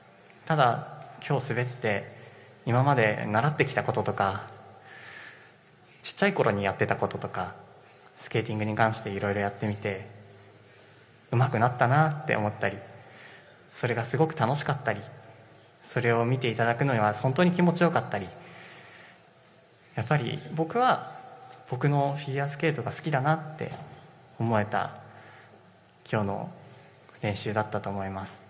ただ今日滑って、今まで習ってきたこととか、ちっちゃいころにやっていたこととか、スケーティングに関していろいろやってみてうまくなったなって思ったり、それがすごく楽しかったり、それを見ていただくのが本当に気持ちよかったり、やっぱり僕は、僕のフィギュアスケートが好きだなって思えた今日の練習だったと思います。